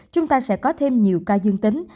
chúng ta sẽ có thêm nhiều ca dương tính